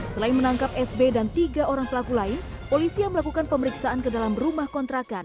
selain menangkap sb dan tiga orang pelaku lain polisi yang melakukan pemeriksaan ke dalam rumah kontrakan